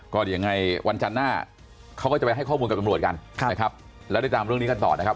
ก็เดี๋ยวยังไงวันจันทร์หน้าเขาก็จะไปให้ข้อมูลกับตำรวจกันนะครับแล้วได้ตามเรื่องนี้กันต่อนะครับ